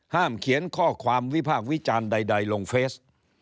ห้ามเขียนข้อความวิภาควิจารณ์ใดลงเฟซ